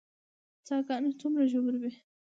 څاه ګانې څومره ژورې وي؟